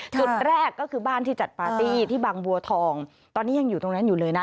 จุดแรกก็คือบ้านที่จัดปาร์ตี้ที่บางบัวทองตอนนี้ยังอยู่ตรงนั้นอยู่เลยนะ